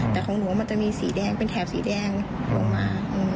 แต่ของหนูมันจะมีสีแดงเป็นแถบสีแดงลงมา